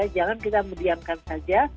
jangan kita mendiamkan saja